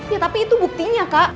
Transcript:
ya tapi itu buktinya kak